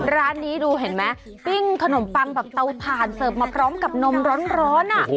ร้านนี้ดูเห็นไหมปิ้งขนมปังแบบเตาถ่านเสิร์ฟมาพร้อมกับนมร้อน